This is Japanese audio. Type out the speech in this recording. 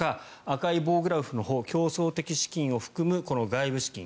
赤い棒グラフのほう競争的資金を含む外部資金。